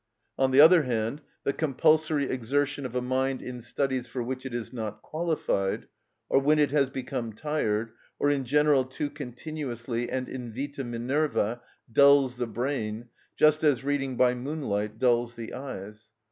On the other hand, the compulsory exertion of a mind in studies for which it is not qualified, or when it has become tired, or in general too continuously and invita Minerva, dulls the brain, just as reading by moonlight dulls the eyes.